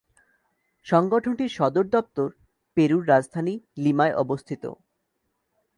সংগঠনটির সদর দপ্তর পেরুর রাজধানী লিমায় অবস্থিত।